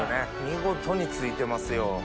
見事についてますよ。